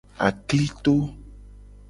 Aklito.